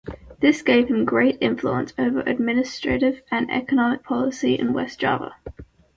This gave him great influence over administrative and economic policy in West Java.